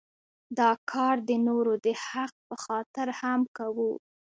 دا کار د نورو د حق په خاطر هم کوو.